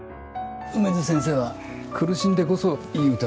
梅津先生は苦しんでこそいい歌を詠む人だ。